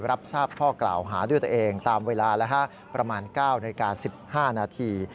รับทราบข้อกล่าวหาด้วยตัวเองตามเวลาประมาณ๙นาฬิกา๑๕นาที